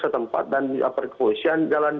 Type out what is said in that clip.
setempat dan kepolisian jalan